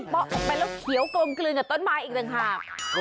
ต้องม้องออกไปแล้วเขียวกลมกลืนกับต้นไม้อีกนึงครับ